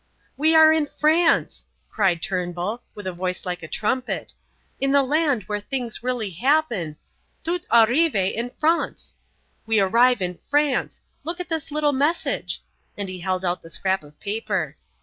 "We are in France!" cried Turnbull, with a voice like a trumpet, "in the land where things really happen Tout arrive en France. We arrive in France. Look at this little message," and he held out the scrap of paper.